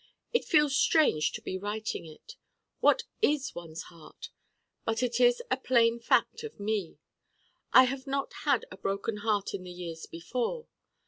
It feels strange to be writing it. What is one's Heart? But it is a plain fact of me. I have not had a Broken Heart in the years before.